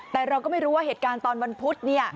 แต่เราก็ไม่รู้ว่าเหตุการณ์ตอนวันพุธ